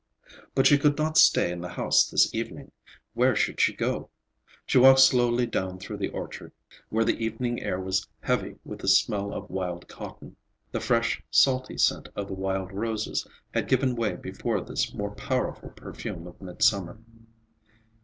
But she could not stay in the house this evening. Where should she go? She walked slowly down through the orchard, where the evening air was heavy with the smell of wild cotton. The fresh, salty scent of the wild roses had given way before this more powerful perfume of midsummer.